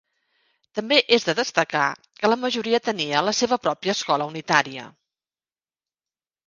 També és de destacar que la majoria tenia la seua pròpia escola unitària.